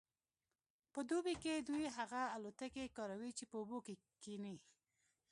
په دوبي کې دوی هغه الوتکې کاروي چې په اوبو کیښني